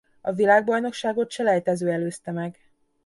A világbajnokságot selejtező előzte meg.